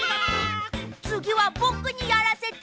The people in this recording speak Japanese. つぎはぼくにやらせて。